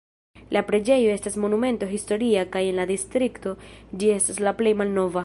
La preĝejo estas Monumento historia kaj en la distrikto ĝi estas la plej malnova.